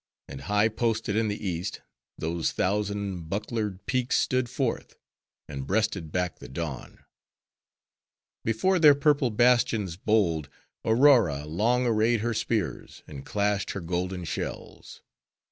And high posted in the East, those thousand bucklered peaks stood forth, and breasted back the Dawn. Before their purple bastions bold, Aurora long arrayed her spears, and clashed her golden shells.